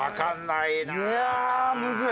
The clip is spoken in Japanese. いやむずい。